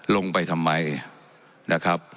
ลงไปทำไมนะครับ